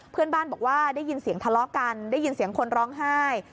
เพื่อนบ้านบอกว่าได้ยินเสียงทะเลาะกันได้ยินเสียงคนร้องไห้